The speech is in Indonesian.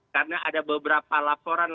karena ada beberapa laporan